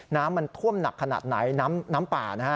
น้ำมันท่วมหนักขนาดไหนน้ำป่านะฮะ